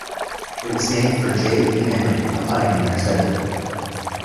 It was named for J. E. Henry, a pioneer settler.